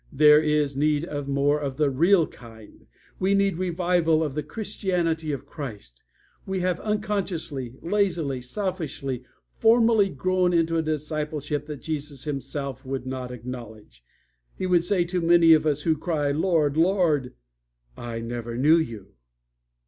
There is need of more of the real kind. We need revival of the Christianity of Christ. We have, unconsciously, lazily, selfishly, formally grown into a discipleship that Jesus himself would not acknowledge. He would say to many of us when we cry, 'Lord, Lord,' 'I never knew you!'